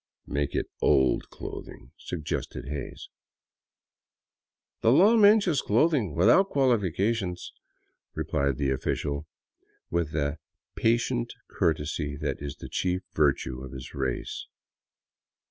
Make it old clothing," suggested Hays. The law mentions clothing, without qualifications," replied the of ficial, with that patient courtesy that is the chief virtue of his race.